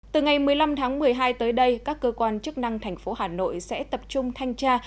từ ngày một mươi năm tháng một mươi hai tới đây các cơ quan chức năng thành phố hà nội sẽ tập trung thanh tra